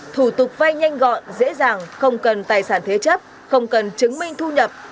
thủ tục vay nhanh gọn dễ dàng không cần tài sản thế chấp không cần chứng minh thu nhập